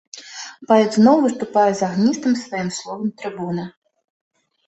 Паэт зноў выступае з агністым сваім словам трыбуна.